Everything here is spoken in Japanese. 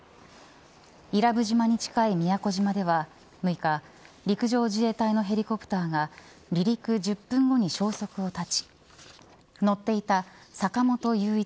伊良部島に近い宮古島では６日陸上自衛隊のヘリコプターが離陸１０分後に消息を絶ち乗っていた坂本雄一